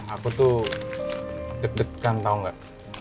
aku tuh deg degan tau gak